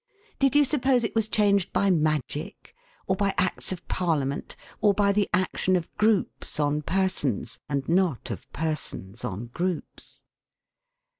Did you suppose it was changed by magic, or by Acts of Parliament, or by the action of groups on persons, and not of persons on groups?